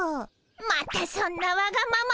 またそんなわがままを。